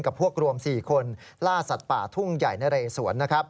กับพวกรวม๔คนล่าสัตว์ป่าทุ่งใหญ่นะเรสวน